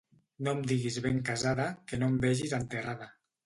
No em diguis ben casada, que no em vegis enterrada.